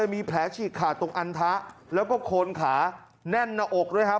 มีแผลฉีกขาดตรงอันทะแล้วก็โคนขาแน่นหน้าอกด้วยครับ